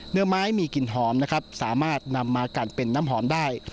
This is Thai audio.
เนื้อไม้มีกลิ่นหอมนะครับสามารถนำมากันเป็นน้ำหอมได้